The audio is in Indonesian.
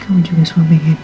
kamu juga suami yang hebat